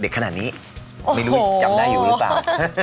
เด็กขนาดนี้ไม่รู้จำได้อยู่รึเปล่า